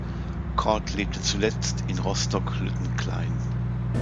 Korth lebte zuletzt in Rostock-Lütten Klein.